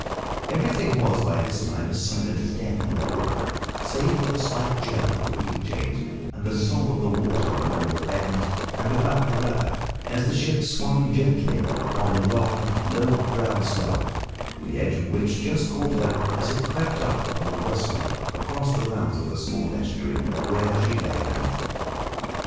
Everything was by this time as silent as death on board, save for the slight jerk of the wheel chains and the sob of the water along the bends and about the rudder as the ship swung gently upon the long, low ground swell, the edge of which just caught her as it crept up from the westward across the mouth of the small estuary where she lay at anchor.